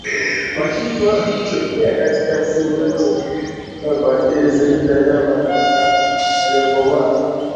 Majipu haya hutokea katika misimu yote na huathiri zaidi wanyama waliokomaa